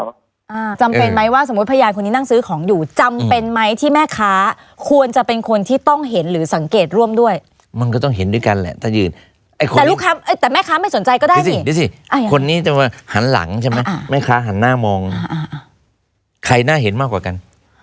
อ่าจำเป็นไหมว่าสมมุติพยานคนนี้นั่งซื้อของอยู่จำเป็นไหมที่แม่ค้าควรจะเป็นคนที่ต้องเห็นหรือสังเกตร่วมด้วยมันก็ต้องเห็นด้วยกันแหละถ้ายืนไอ้คนแต่ลูกค้าแต่แม่ค้าไม่สนใจก็ได้สิดูสิคนนี้จะมาหันหลังใช่ไหมอ่าแม่ค้าหันหน้ามองอ่าใครน่าเห็นมากกว่ากัน